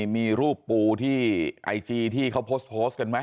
มีรูปปูที่ไอจีที่เขาโพสต์กันไหม